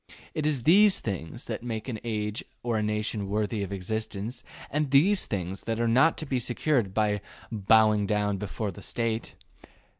It is these things that make an age or a nation worthy of existence, and these things are not to be secured by bowing down before the State.